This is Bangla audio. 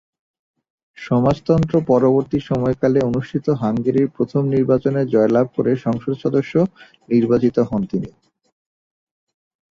সমাজতন্ত্র পরবর্তী সময়কালে অনুষ্ঠিত হাঙ্গেরির প্রথম নির্বাচনে জয়লাভ করে সংসদ সদস্য নির্বাচিত হন তিনি।